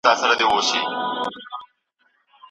تعلیم به راتلونکې کې بدلون راولي.